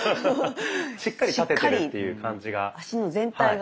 しっかり立ててるっていう感じが。